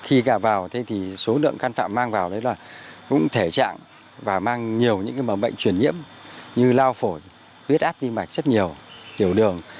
khi gặp vào thì số lượng căn phạm mang vào là cũng thể trạng và mang nhiều những bệnh chuyển nhiễm như lao phổi huyết áp di mạch rất nhiều tiểu đường